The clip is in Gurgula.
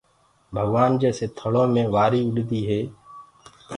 ڀگوآن جيسي ٿݪو مي وآريٚ اُڏديٚ هي